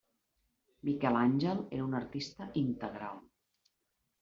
Miquel Àngel era un artista integral.